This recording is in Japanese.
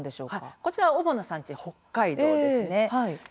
こちらは主な産地は北海道ですね。